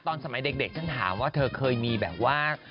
ตอนสมัยเด็กฉันถามว่าเธอเคยมีแบบว่า